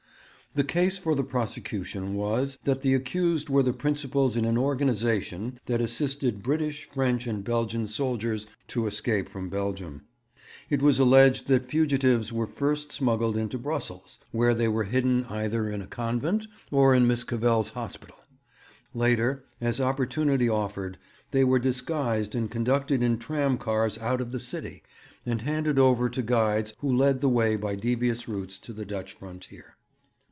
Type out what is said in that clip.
The case for the prosecution was that the accused were the principals in an organization that assisted British, French, and Belgian soldiers to escape from Belgium. It was alleged that fugitives were first smuggled into Brussels, where they were hidden either in a convent or in Miss Cavell's hospital. Later, as opportunity offered, they were disguised and conducted in tram cars out of the city, and handed over to guides who led the way by devious routes to the Dutch frontier.